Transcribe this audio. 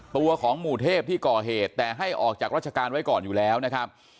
ตัวของหมู่เทพที่ก่อเหตุแต่ให้ออกจากราชการไว้ก่อนอยู่แล้วนะครับ